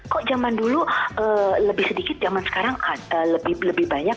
kok zaman dulu lebih sedikit zaman sekarang lebih banyak